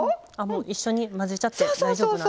一緒に混ぜちゃって大丈夫なんですね。